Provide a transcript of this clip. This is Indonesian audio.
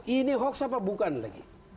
ini hoax apa bukan lagi